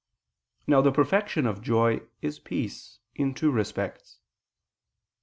Now the perfection of joy is peace in two respects.